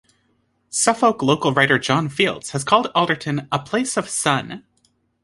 Suffolk local writer Jon Fields has called Alderton "a place of sun".